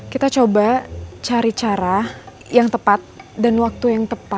kita coba cari cara yang tepat dan waktu yang tepat